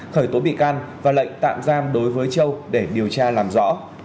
khởi tố bị can và lệnh tạm giam đối với châu để điều tra làm rõ